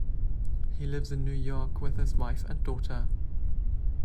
He lives in New York with his wife and daughter.